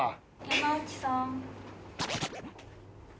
山内さん。